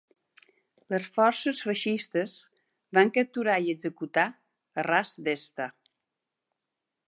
Les forces feixistes van capturar i executar a Ras Desta.